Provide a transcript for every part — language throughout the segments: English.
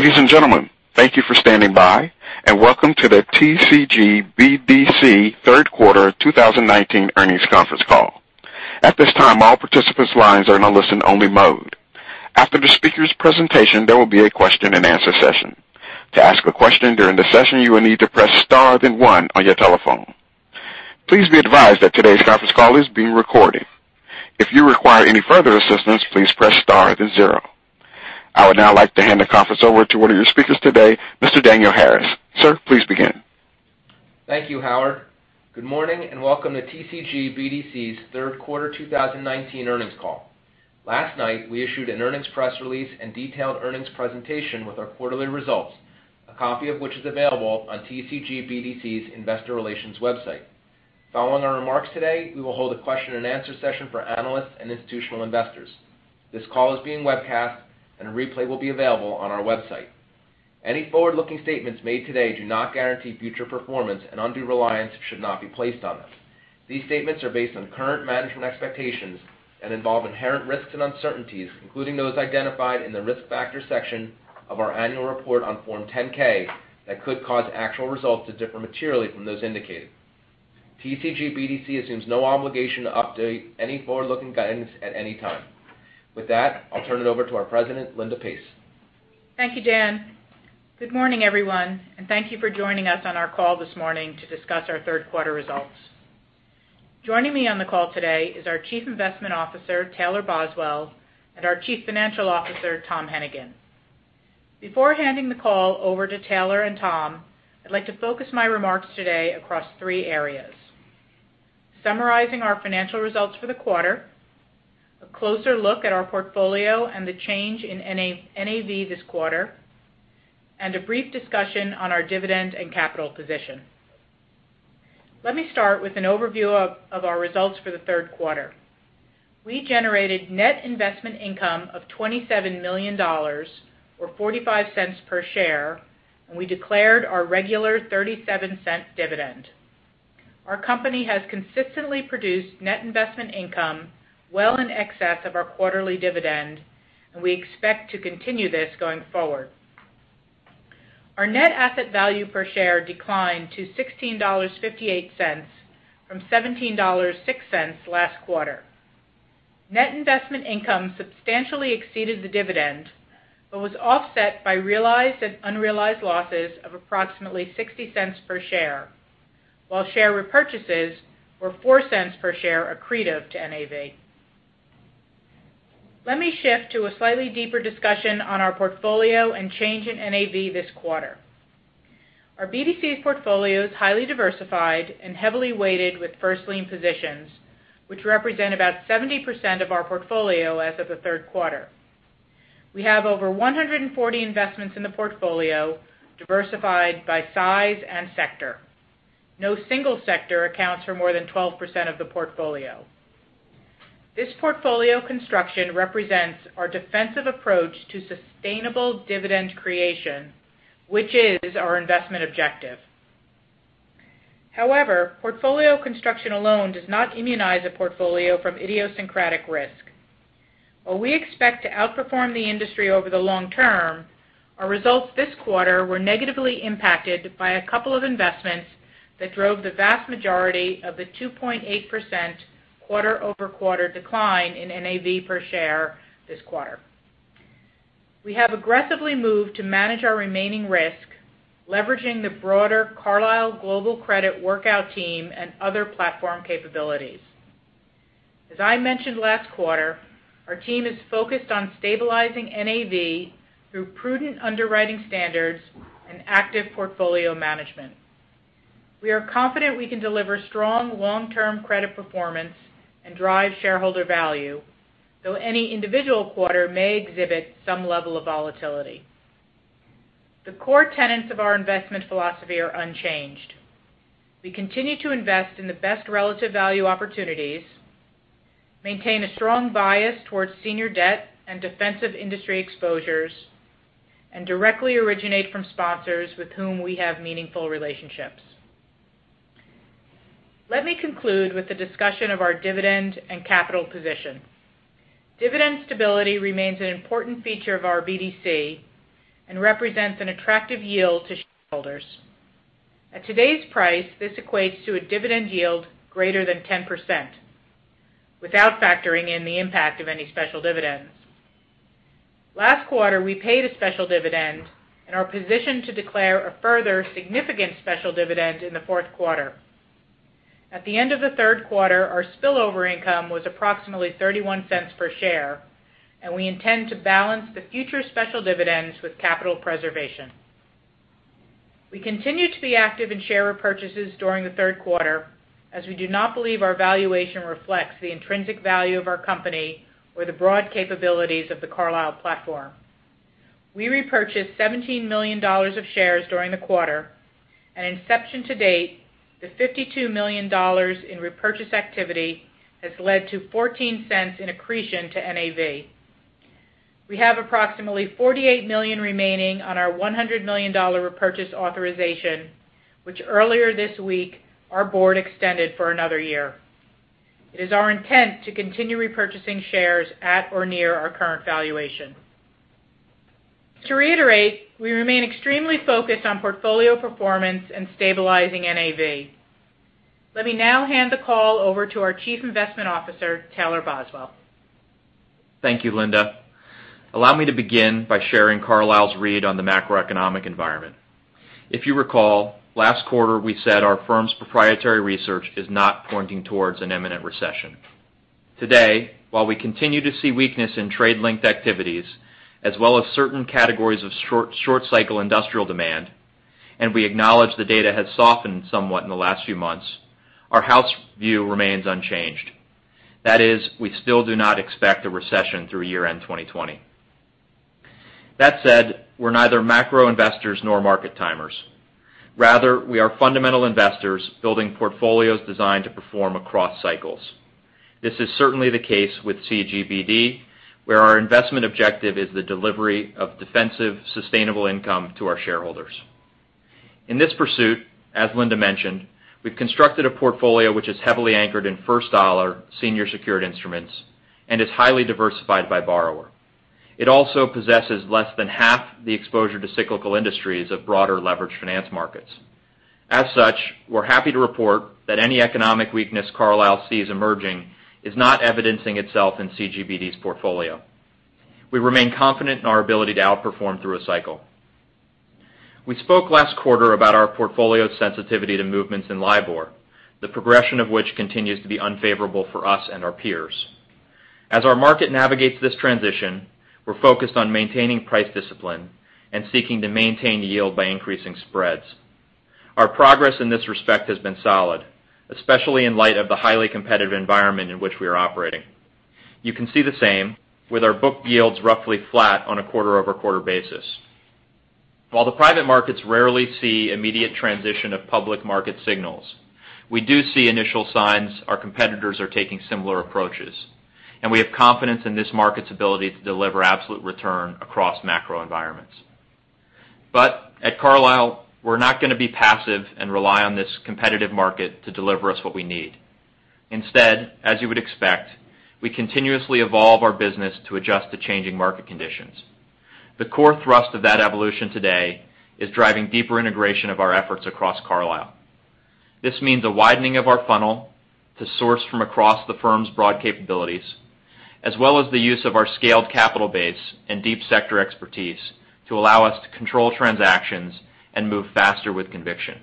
Ladies and gentlemen, thank you for standing by, and welcome to the TCG BDC third quarter 2019 earnings conference call. At this time, all participants' lines are in a listen-only mode. After the speakers' presentation, there will be a question and answer session. To ask a question during the session, you will need to press star then one on your telephone. Please be advised that today's conference call is being recorded. If you require any further assistance, please press star then zero. I would now like to hand the conference over to one of your speakers today, Mr. Daniel Harris. Sir, please begin. Thank you, Howard. Good morning and welcome to TCG BDC's third quarter 2019 earnings call. Last night, we issued an earnings press release and detailed earnings presentation with our quarterly results, a copy of which is available on TCG BDC's investor relations website. Following our remarks today, we will hold a question and answer session for analysts and institutional investors. This call is being webcast, and a replay will be available on our website. Any forward-looking statements made today do not guarantee future performance and undue reliance should not be placed on them. These statements are based on current management expectations and involve inherent risks and uncertainties, including those identified in the risk factors section of our annual report on Form 10-K, that could cause actual results to differ materially from those indicated. TCG BDC assumes no obligation to update any forward-looking guidance at any time. With that, I'll turn it over to our President, Linda Pace. Thank you, Dan. Good morning, everyone, and thank you for joining us on our call this morning to discuss our third quarter results. Joining me on the call today is our Chief Investment Officer, Taylor Boswell, and our Chief Financial Officer, Tom Hennigan. Before handing the call over to Taylor and Tom, I'd like to focus my remarks today across three areas: summarizing our financial results for the quarter, a closer look at our portfolio and the change in NAV this quarter, and a brief discussion on our dividend and capital position. Let me start with an overview of our results for the third quarter. We generated net investment income of $27 million, or $0.45 per share, and we declared our regular $0.37 dividend. Our company has consistently produced net investment income well in excess of our quarterly dividend, and we expect to continue this going forward. Our net asset value per share declined to $16.58 from $17.06 last quarter. Net investment income substantially exceeded the dividend but was offset by realized and unrealized losses of approximately $0.60 per share, while share repurchases were $0.04 per share accretive to NAV. Let me shift to a slightly deeper discussion on our portfolio and change in NAV this quarter. Our BDC's portfolio is highly diversified and heavily weighted with first lien positions, which represent about 70% of our portfolio as of the third quarter. We have over 140 investments in the portfolio diversified by size and sector. No single sector accounts for more than 12% of the portfolio. This portfolio construction represents our defensive approach to sustainable dividend creation, which is our investment objective. However, portfolio construction alone does not immunize a portfolio from idiosyncratic risk. While we expect to outperform the industry over the long term, our results this quarter were negatively impacted by a couple of investments that drove the vast majority of the 2.8% quarter-over-quarter decline in NAV per share this quarter. We have aggressively moved to manage our remaining risk, leveraging the broader Carlyle Global Credit workout team and other platform capabilities. As I mentioned last quarter, our team is focused on stabilizing NAV through prudent underwriting standards and active portfolio management. We are confident we can deliver strong long-term credit performance and drive shareholder value, though any individual quarter may exhibit some level of volatility. The core tenets of our investment philosophy are unchanged. We continue to invest in the best relative value opportunities, maintain a strong bias towards senior debt and defensive industry exposures, and directly originate from sponsors with whom we have meaningful relationships. Let me conclude with a discussion of our dividend and capital position. Dividend stability remains an important feature of our BDC and represents an attractive yield to shareholders. At today's price, this equates to a dividend yield greater than 10% without factoring in the impact of any special dividends. Last quarter, we paid a special dividend and are positioned to declare a further significant special dividend in the fourth quarter. At the end of the third quarter, our spillover income was approximately $0.31 per share, and we intend to balance the future special dividends with capital preservation. We continue to be active in share repurchases during the third quarter, as we do not believe our valuation reflects the intrinsic value of our company or the broad capabilities of the Carlyle platform. We repurchased $17 million of shares during the quarter, and inception to date, the $52 million in repurchase activity has led to $0.14 in accretion to NAV. We have approximately $48 million remaining on our $100 million repurchase authorization, which earlier this week our board extended for another year. It is our intent to continue repurchasing shares at or near our current valuation. To reiterate, we remain extremely focused on portfolio performance and stabilizing NAV. Let me now hand the call over to our Chief Investment Officer, Taylor Boswell. Thank you, Linda. Allow me to begin by sharing Carlyle's read on the macroeconomic environment. If you recall, last quarter we said our firm's proprietary research is not pointing towards an imminent recession. Today, while we continue to see weakness in trade-linked activities, as well as certain categories of short cycle industrial demand, and we acknowledge the data has softened somewhat in the last few months, our house view remains unchanged. That is, we still do not expect a recession through year-end 2020. That said, we're neither macro investors nor market timers. Rather, we are fundamental investors building portfolios designed to perform across cycles. This is certainly the case with CGBD, where our investment objective is the delivery of defensive, sustainable income to our shareholders. In this pursuit, as Linda mentioned, we've constructed a portfolio which is heavily anchored in first-dollar senior secured instruments and is highly diversified by borrower. It also possesses less than half the exposure to cyclical industries of broader leveraged finance markets. As such, we're happy to report that any economic weakness Carlyle sees emerging is not evidencing itself in CGBD's portfolio. We remain confident in our ability to outperform through a cycle. We spoke last quarter about our portfolio sensitivity to movements in LIBOR, the progression of which continues to be unfavorable for us and our peers. As our market navigates this transition, we're focused on maintaining price discipline and seeking to maintain yield by increasing spreads. Our progress in this respect has been solid, especially in light of the highly competitive environment in which we are operating. You can see the same with our book yields roughly flat on a quarter-over-quarter basis. While the private markets rarely see immediate transition of public market signals, we do see initial signs our competitors are taking similar approaches, and we have confidence in this market's ability to deliver absolute return across macro environments. At Carlyle, we're not going to be passive and rely on this competitive market to deliver us what we need. Instead, as you would expect, we continuously evolve our business to adjust to changing market conditions. The core thrust of that evolution today is driving deeper integration of our efforts across Carlyle. This means a widening of our funnel to source from across the firm's broad capabilities, as well as the use of our scaled capital base and deep sector expertise to allow us to control transactions and move faster with conviction.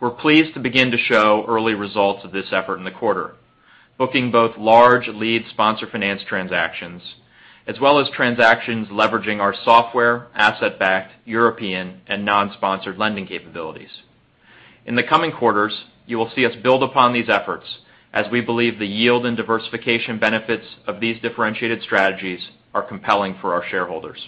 We're pleased to begin to show early results of this effort in the quarter, booking both large lead sponsor finance transactions, as well as transactions leveraging our software, asset-backed, European, and non-sponsored lending capabilities. In the coming quarters, you will see us build upon these efforts as we believe the yield and diversification benefits of these differentiated strategies are compelling for our shareholders.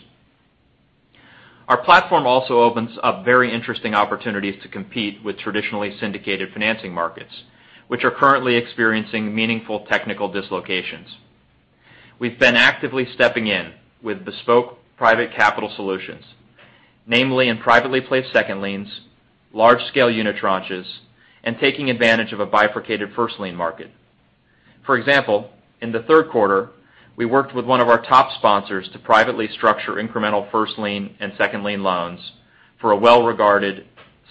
Our platform also opens up very interesting opportunities to compete with traditionally syndicated financing markets, which are currently experiencing meaningful technical dislocations. We've been actively stepping in with bespoke private capital solutions, namely in privately placed second liens, large-scale unitranches, and taking advantage of a bifurcated first lien market. For example, in the third quarter, we worked with one of our top sponsors to privately structure incremental first lien and second lien loans for a well-regarded,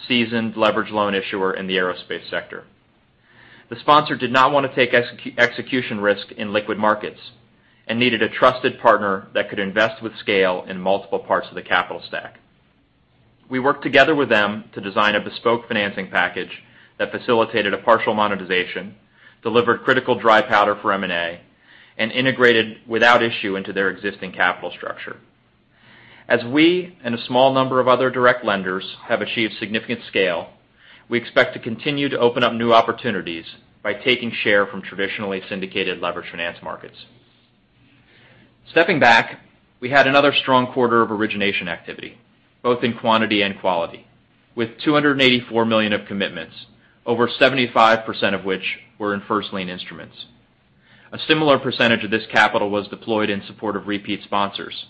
seasoned leverage loan issuer in the aerospace sector. The sponsor did not want to take execution risk in liquid markets and needed a trusted partner that could invest with scale in multiple parts of the capital stack. We worked together with them to design a bespoke financing package that facilitated a partial monetization, delivered critical dry powder for M&A, and integrated without issue into their existing capital structure. As we and a small number of other direct lenders have achieved significant scale, we expect to continue to open up new opportunities by taking share from traditionally syndicated leverage finance markets. Stepping back, we had another strong quarter of origination activity, both in quantity and quality, with $284 million of commitments, over 75% of which were in first lien instruments. A similar percentage of this capital was deployed in support of repeat sponsors.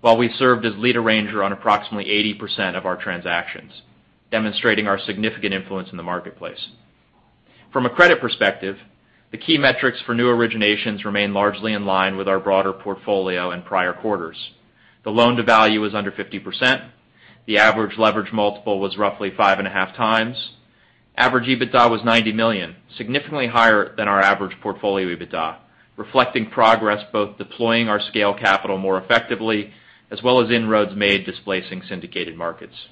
While we served as lead arranger on approximately 80% of our transactions, demonstrating our significant influence in the marketplace. From a credit perspective, the key metrics for new originations remain largely in line with our broader portfolio in prior quarters. The loan-to-value is under 50%. The average leverage multiple was roughly 5.5x. Average EBITDA was $90 million, significantly higher than our average portfolio EBITDA, reflecting progress both deploying our scale capital more effectively, as well as inroads made displacing syndicated markets.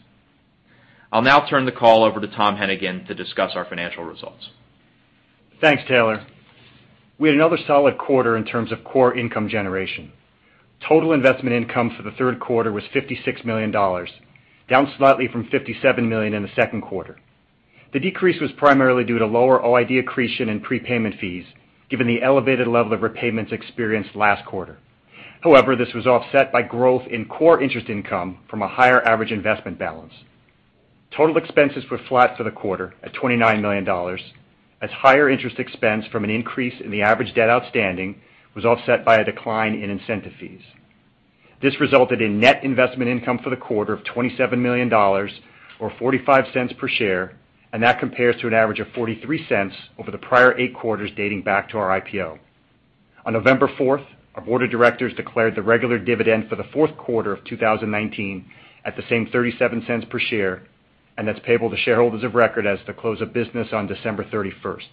I'll now turn the call over to Tom Hennigan to discuss our financial results. Thanks, Taylor. We had another solid quarter in terms of core income generation. Total investment income for the third quarter was $56 million, down slightly from $57 million in the second quarter. The decrease was primarily due to lower OID accretion and prepayment fees, given the elevated level of repayments experienced last quarter. This was offset by growth in core interest income from a higher average investment balance. Total expenses were flat for the quarter at $29 million, as higher interest expense from an increase in the average debt outstanding was offset by a decline in incentive fees. This resulted in net investment income for the quarter of $27 million, or $0.45 per share, and that compares to an average of $0.43 over the prior eight quarters dating back to our IPO. On November 4th, our board of directors declared the regular dividend for the fourth quarter of 2019 at the same $0.37 per share, That's payable to shareholders of record as of the close of business on December 31st.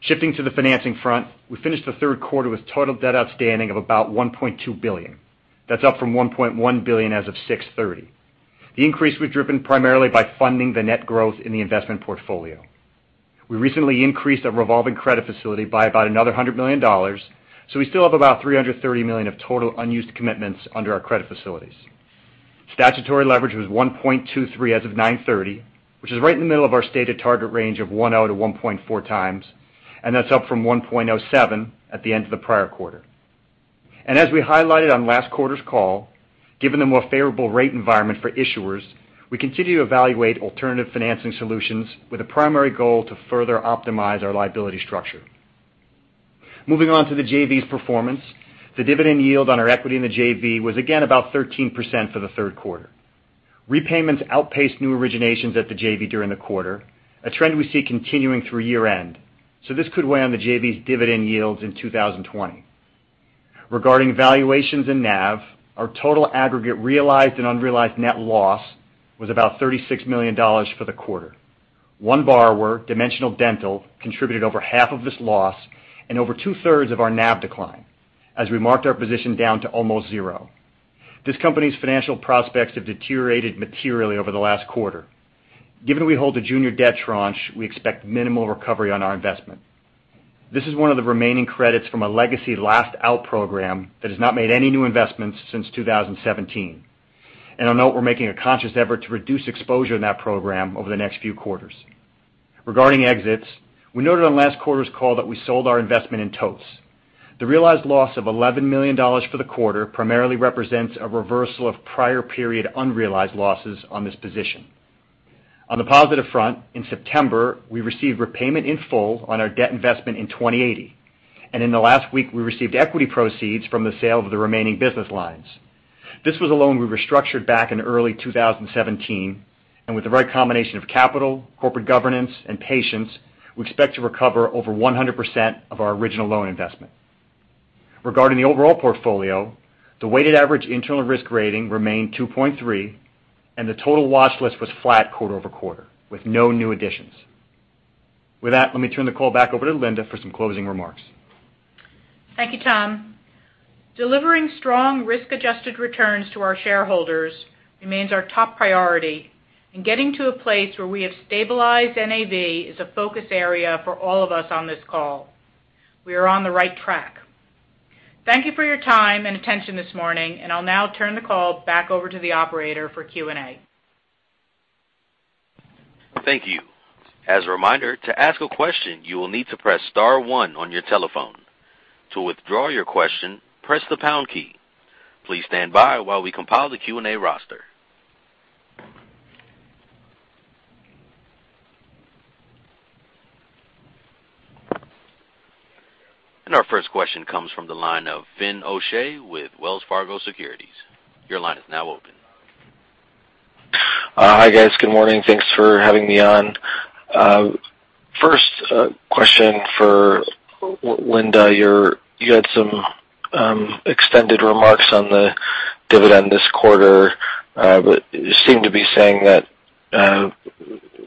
Shifting to the financing front, we finished the third quarter with total debt outstanding of about $1.2 billion. That's up from $1.1 billion as of 6/30. The increase was driven primarily by funding the net growth in the investment portfolio. We recently increased our revolving credit facility by about another $100 million. We still have about $330 million of total unused commitments under our credit facilities. Statutory leverage was 1.23 as of 9/30, which is right in the middle of our stated target range of one out of 1.4 times, That's up from 1.07 at the end of the prior quarter. As we highlighted on last quarter's call, given the more favorable rate environment for issuers, we continue to evaluate alternative financing solutions with a primary goal to further optimize our liability structure. Moving on to the JV's performance. The dividend yield on our equity in the JV was again about 13% for the third quarter. Repayments outpaced new originations at the JV during the quarter, a trend we see continuing through year-end. This could weigh on the JV's dividend yields in 2020. Regarding valuations in NAV, our total aggregate realized and unrealized net loss was about $36 million for the quarter. One borrower, Dimensional Dental, contributed over half of this loss and over two-thirds of our NAV decline as we marked our position down to almost zero. This company's financial prospects have deteriorated materially over the last quarter. Given we hold a junior debt tranche, we expect minimal recovery on our investment. This is one of the remaining credits from a legacy last-out program that has not made any new investments since 2017. I'll note we're making a conscious effort to reduce exposure in that program over the next few quarters. Regarding exits, we noted on last quarter's call that we sold our investment in Totes. The realized loss of $11 million for the quarter primarily represents a reversal of prior period unrealized losses on this position. On the positive front, in September, we received repayment in full on our debt investment in TwentyEighty, and in the last week, we received equity proceeds from the sale of the remaining business lines. This was a loan we restructured back in early 2017, and with the right combination of capital, corporate governance, and patience, we expect to recover over 100% of our original loan investment. Regarding the overall portfolio, the weighted average internal risk rating remained 2.3 and the total watch list was flat quarter-over-quarter with no new additions. With that, let me turn the call back over to Linda for some closing remarks. Thank you, Tom. Delivering strong risk-adjusted returns to our shareholders remains our top priority, and getting to a place where we have stabilized NAV is a focus area for all of us on this call. We are on the right track. Thank you for your time and attention this morning, and I'll now turn the call back over to the operator for Q&A. Thank you. As a reminder, to ask a question, you will need to press *1 on your telephone. To withdraw your question, press the # key. Please stand by while we compile the Q&A roster. Our first question comes from the line of Fin O'Shea with Wells Fargo Securities. Your line is now open. Hi, guys. Good morning. Thanks for having me on. First question for Linda. You had some extended remarks on the dividend this quarter. You seem to be saying that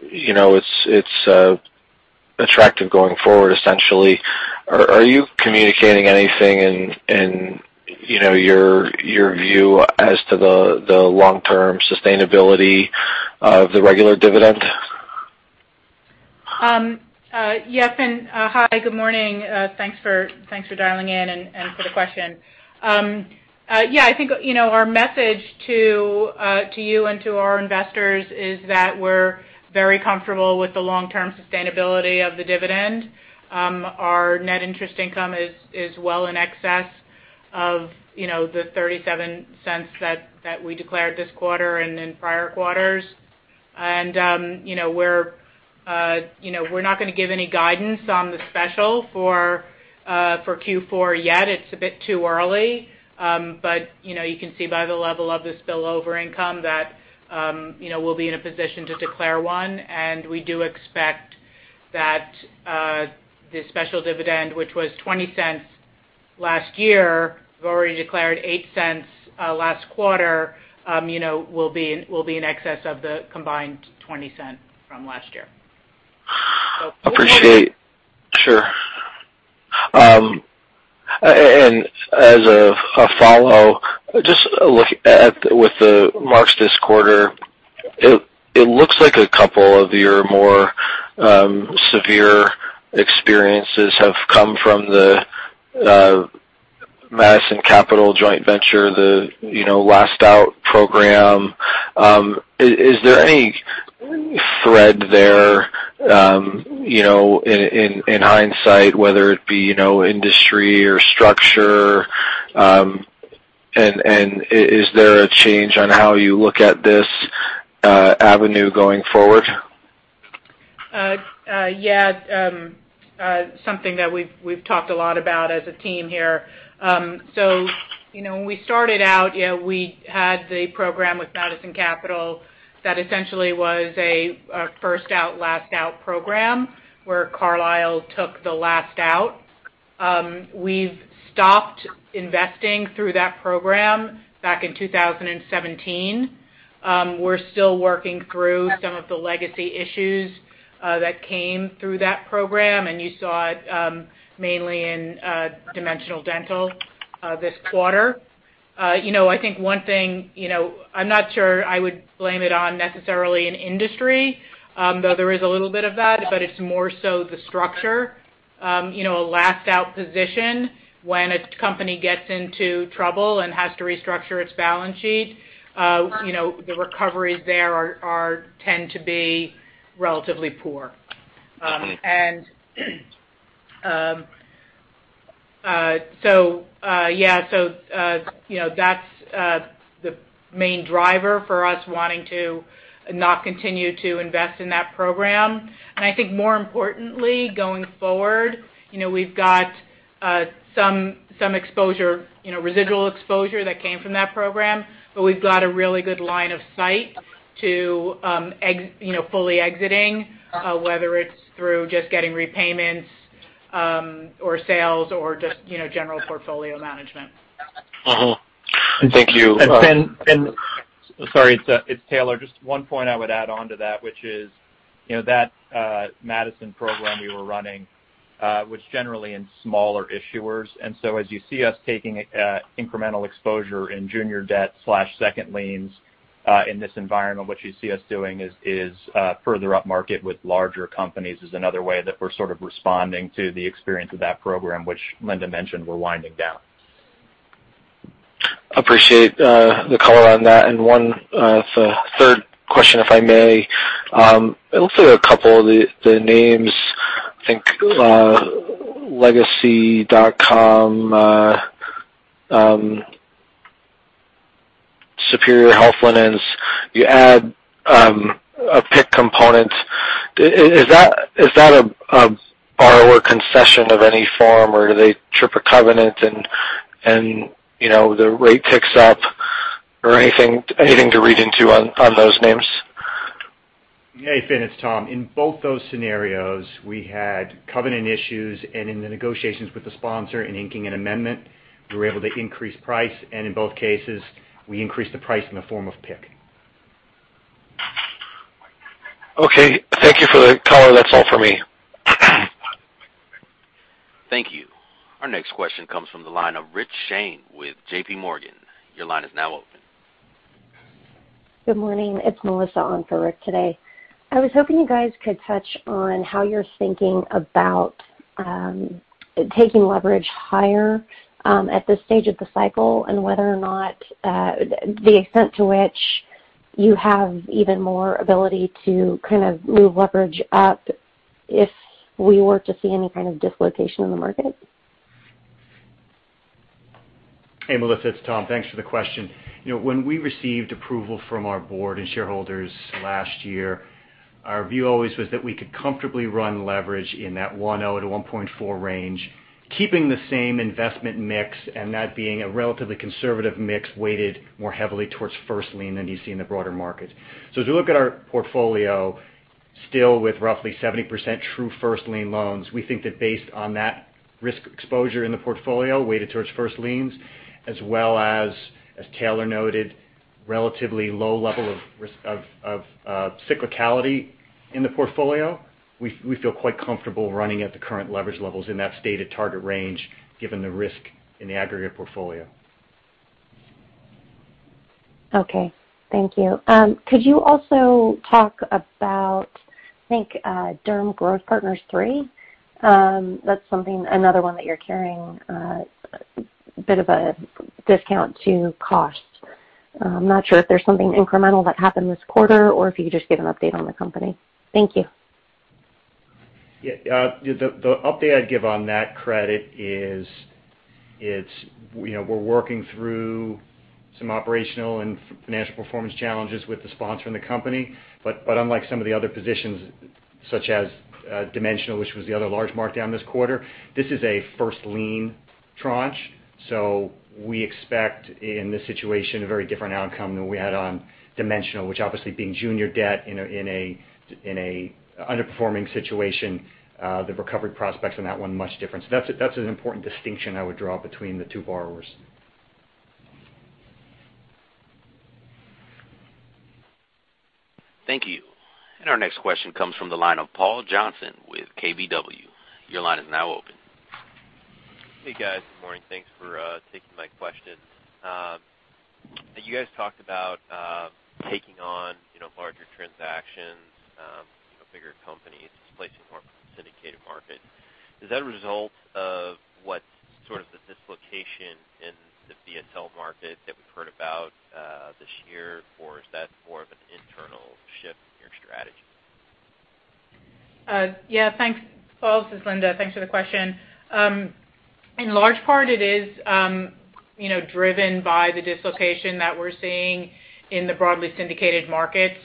it's attractive going forward, essentially. Are you communicating anything in your view as to the long-term sustainability of the regular dividend? Yes, Fin. Hi, good morning. Thanks for dialing in and for the question. Yeah, I think our message to you and to our investors is that we're very comfortable with the long-term sustainability of the dividend. Our net interest income is well in excess of the $0.37 that we declared this quarter and in prior quarters. We're not going to give any guidance on the special for Q4 yet. It's a bit too early. You can see by the level of the spillover income that we'll be in a position to declare one. We do expect that the special dividend, which was $0.20 last year, we've already declared $0.08 last quarter, will be in excess of the combined $0.20 from last year. Appreciate. Sure. As a follow, just with the marks this quarter, it looks like a couple of your more severe experiences have come from the Madison Capital joint venture, the last-out program. Is there any thread there in hindsight, whether it be industry or structure? Is there a change on how you look at this avenue going forward? Something that we've talked a lot about as a team here. When we started out, we had the program with Madison Capital that essentially was a first out, last out program where Carlyle took the last out. We've stopped investing through that program back in 2017. We're still working through some of the legacy issues that came through that program, and you saw it mainly in Dimensional Dental this quarter. I think one thing, I'm not sure I would blame it on necessarily an industry. Though there is a little bit of that, but it's more so the structure. A last out position when a company gets into trouble and has to restructure its balance sheet. The recoveries there tend to be relatively poor. That's the main driver for us wanting to not continue to invest in that program. I think more importantly, going forward, we've got some residual exposure that came from that program. We've got a really good line of sight to fully exiting, whether it's through just getting repayments, or sales or just general portfolio management. Uh-huh. Thank you. Finn, sorry, it's Taylor. Just one point I would add onto that, which is, that Madison program we were running was generally in smaller issuers. As you see us taking incremental exposure in junior debt/second liens, in this environment, what you see us doing is further up market with larger companies is another way that we're sort of responding to the experience of that program, which Linda mentioned we're winding down. Appreciate the color on that. One third question, if I may. Also a couple of the names, I think Legacy.com, Superior Health Linens, you add a PIK component. Is that a borrower concession of any form, or do they trip a covenant and the rate ticks up or anything to read into on those names? Hey, Finn, it's Tom. In both those scenarios, we had covenant issues, and in the negotiations with the sponsor in inking an amendment, we were able to increase price, and in both cases, we increased the price in the form of PIK. Okay. Thank you for the color. That's all for me. Thank you. Our next question comes from the line of Rich Shane with JPMorgan. Your line is now open. Good morning. It's Melissa on for Rich today. I was hoping you guys could touch on how you're thinking about taking leverage higher, at this stage of the cycle, and whether or not, the extent to which you have even more ability to kind of move leverage up if we were to see any kind of dislocation in the market? Hey, Melissa, it's Tom. Thanks for the question. When we received approval from our board and shareholders last year, our view always was that we could comfortably run leverage in that 1.0-1.4 range, keeping the same investment mix and that being a relatively conservative mix, weighted more heavily towards first lien than you see in the broader market. As we look at our portfolio, still with roughly 70% true first lien loans, we think that based on that risk exposure in the portfolio weighted towards first liens, as well as Taylor noted, relatively low level of cyclicality in the portfolio, we feel quite comfortable running at the current leverage levels in that stated target range given the risk in the aggregate portfolio. Thank you. Could you also talk about, I think, Derm Growth Partners III? That's another one that you're carrying a bit of a discount to cost. I'm not sure if there's something incremental that happened this quarter or if you could just give an update on the company. Thank you. The update I'd give on that credit is we're working through some operational and financial performance challenges with the sponsor and the company. Unlike some of the other positions, such as Dimensional, which was the other large markdown this quarter, this is a first lien tranche. We expect in this situation a very different outcome than we had on Dimensional, which obviously being junior debt in an underperforming situation, the recovery prospects on that one are much different. That's an important distinction I would draw between the two borrowers. Thank you. Our next question comes from the line of Paul Johnson with KBW. Your line is now open. Hey, guys. Good morning. Thanks for taking my question. You guys talked about taking on larger transactions, bigger companies, displacing more from the syndicated market. Is that a result of what sort of the dislocation in the BSL market that we've heard about this year, or is that more of an internal shift in your strategy? Yeah. Thanks, Paul. This is Linda. Thanks for the question. In large part, it is driven by the dislocation that we're seeing in the broadly syndicated markets,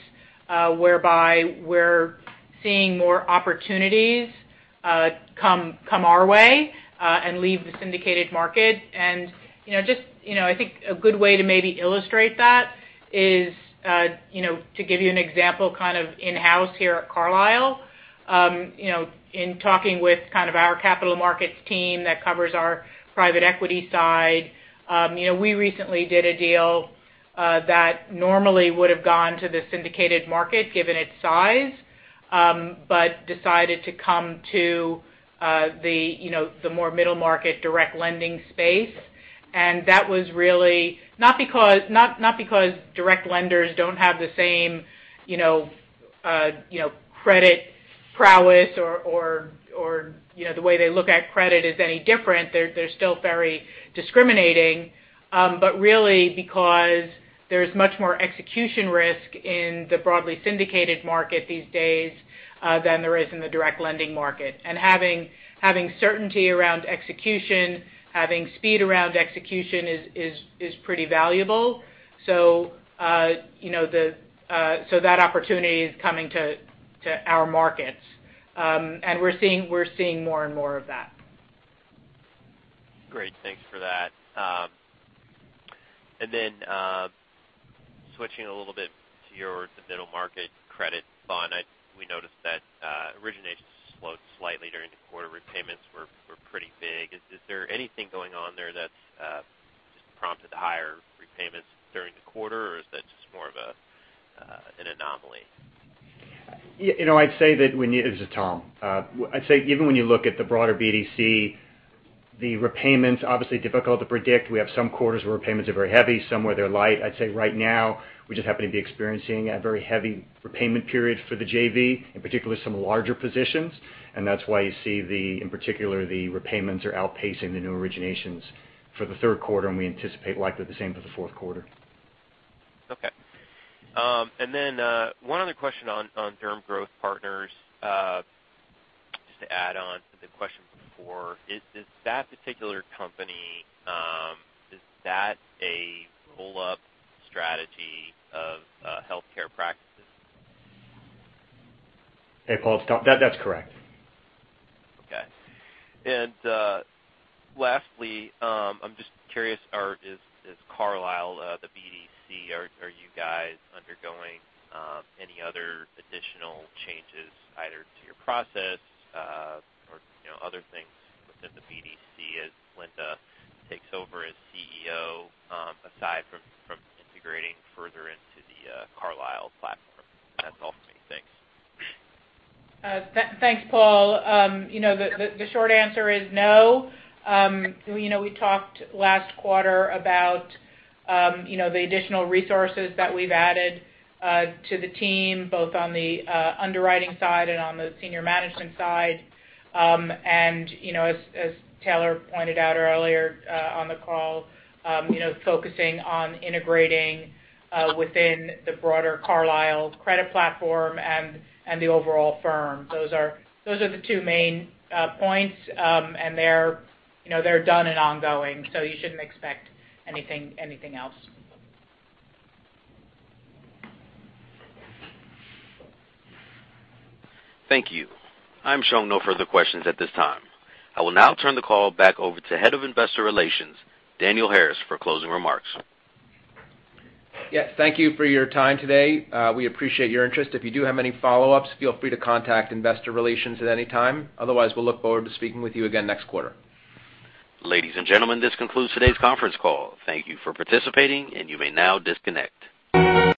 whereby we're seeing more opportunities come our way and leave the syndicated market. I think a good way to maybe illustrate that is to give you an example kind of in-house here at Carlyle. In talking with our capital markets team that covers our private equity side, we recently did a deal that normally would have gone to the syndicated market, given its size, but decided to come to the more middle market direct lending space. That was not because direct lenders don't have the same credit prowess or the way they look at credit is any different. They're still very discriminating. Really, because there's much more execution risk in the broadly syndicated market these days than there is in the direct lending market. Having certainty around execution, having speed around execution is pretty valuable. That opportunity is coming to our markets. We're seeing more and more of that. Great. Thanks for that. Switching a little bit to your middle market credit fund. We noticed that originations slowed slightly during the quarter. Repayments were pretty big. Is there anything going on there that's just prompted the higher repayments during the quarter, or is that just more of an anomaly? Yeah. This is Tom. I'd say even when you look at the broader BDC, the repayments obviously difficult to predict. We have some quarters where repayments are very heavy, some where they're light. I'd say right now, we just happen to be experiencing a very heavy repayment period for the JV, in particular some larger positions. That's why you see, in particular, the repayments are outpacing the new originations for the third quarter, and we anticipate likely the same for the fourth quarter. Okay. One other question on Derm Growth Partners. Just to add on to the question before. Is that particular company, is that a roll-up strategy of healthcare practices? Hey, Paul, it's Tom. That's correct. Okay. Lastly, I'm just curious. Is Carlyle the BDC? Are you guys undergoing any other additional changes either to your process or other things within the BDC as Linda takes over as CEO, aside from integrating further into the Carlyle platform? That's all for me. Thanks. Thanks, Paul. The short answer is no. We talked last quarter about the additional resources that we've added to the team, both on the underwriting side and on the senior management side. As Taylor pointed out earlier on the call, focusing on integrating within the broader Carlyle credit platform and the overall firm. Those are the two main points. They're done and ongoing, so you shouldn't expect anything else. Thank you. I'm showing no further questions at this time. I will now turn the call back over to Head of Investor Relations, Daniel Harris, for closing remarks. Yes. Thank you for your time today. We appreciate your interest. If you do have any follow-ups, feel free to contact investor relations at any time. Otherwise, we'll look forward to speaking with you again next quarter. Ladies and gentlemen, this concludes today's conference call. Thank you for participating, and you may now disconnect.